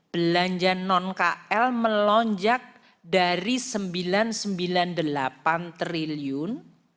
belanja non kl melonjak dari rp sembilan ratus sembilan puluh delapan triliun